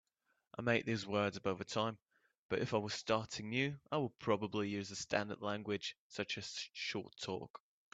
I made these words up over time, but if I were starting new I would probably use a standard language such as Short Talk.